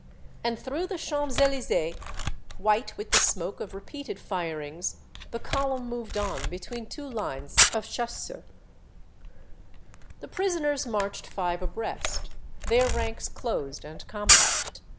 And through the Champs Elys^es, white with the smoke of repeated firings, the column moved on between two lines of chasseurs. III. The prisoners marched five abreast, their ranks closed and compact.